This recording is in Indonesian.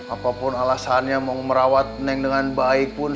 apapun alasannya mau merawat neng dengan baik pun